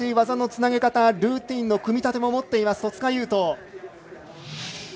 技のつなげ方ルーティンの組み立ても持っています、戸塚優斗。